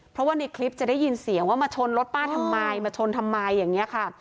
เพราะว่าในคลิปจะได้ยินเสียงว่ามาชนรถป้าทำไมมาชนทำไมอย่างนี้ค่ะ